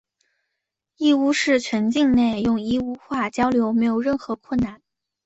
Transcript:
义乌市全境内用义乌话交流没有任何困难。